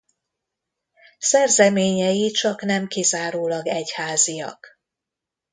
Szerzeményei csaknem kizárólag egyháziak.